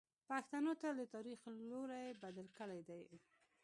پښتنو تل د تاریخ لوری بدل کړی دی.